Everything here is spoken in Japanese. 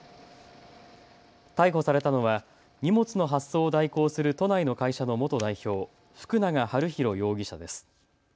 逮捕されたのは荷物の発送を代行する都内の会社の元代表、福永悠宏容疑者です。